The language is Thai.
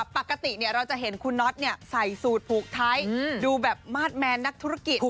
ปกติเราจะเห็นคุณน็อตใส่สูตรผูกไทยดูแบบมาสแมนนักธุรกิจ